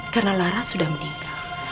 karena lara sudah meninggal